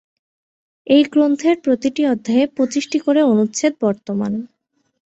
এই গ্রন্থের প্রতিটি অধ্যায়ে পঁচিশটি করে অনুচ্ছেদ বর্তমান।